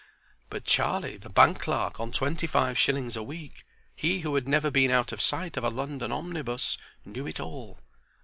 But Charlie, the bank clerk, on twenty five shillings a week, he who had never been out of sight of a London omnibus, knew it all.